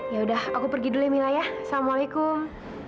yaudah aku pergi dulu ya mila ya assalamualaikum